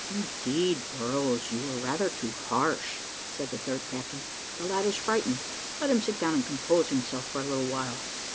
"Indeed, Burrows, you are rather too harsh," said the third captain; "the lad is frightened. Let him sit down and compose himself for a little while.